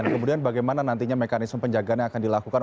kemudian bagaimana nantinya mekanisme penjagaan yang akan dilakukan